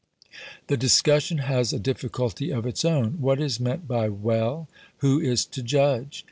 The discussion has a difficulty of its own. What is meant by "well"? Who is to judge?